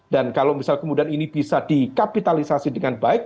dan kalau misalnya kemudian ini bisa dikapitalisasi dengan baik